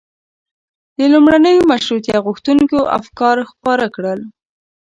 د لومړنیو مشروطیه غوښتونکيو افکار خپاره کړل.